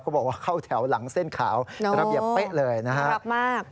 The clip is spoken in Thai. บอกว่าเข้าแถวหลังเส้นขาวระเบียบเป๊ะเลยนะฮะ